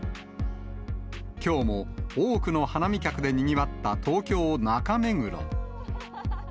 きょうも多くの花見客でにぎわった東京・中目黒。